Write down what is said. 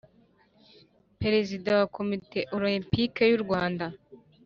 Perezida wa Komite Olempike y’u Rwanda